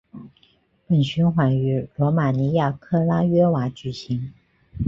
本循环于罗马尼亚克拉约瓦举行。